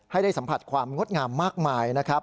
ให้ได้สัมผัสความงดงามมากมายนะครับ